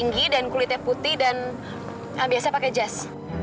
gak ada gadis